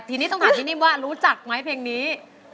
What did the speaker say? ทีนี้ต้องถามพี่นิ่มว่ารู้จักไหมเพลงนี้